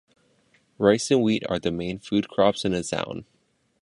Rice and wheat are the main food crops in the town.